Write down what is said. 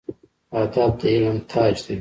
ادب د علم تاج دی